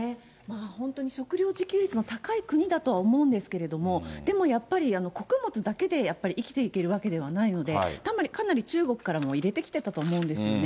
本当に食糧自給率の高い国だと思うんですけれども、でもやっぱり穀物だけで、やっぱり生きていけるわけではないので、かなり中国からも入れてきたと思うんですよね。